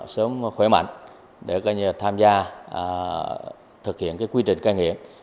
sớm khỏe mạnh để tham gia thực hiện quy trình ca nghiện